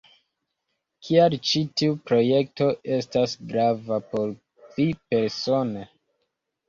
Kial ĉi tiu projekto estas grava por vi persone?